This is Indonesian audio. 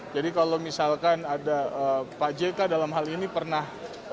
jadi kalau misalkan ada pak jk dalam hal ini pernah